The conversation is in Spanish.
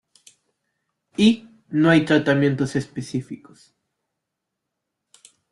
Y no hay tratamientos específicos.